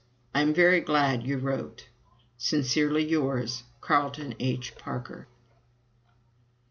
I am very glad you wrote. Sincerely yours, Carleton H. Parker.